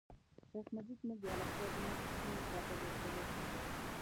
شیخ مجید موږ د الاقصی جومات کیڼې خوا ته بوتللو.